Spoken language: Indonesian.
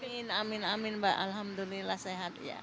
amin amin amin mbak alhamdulillah sehat ya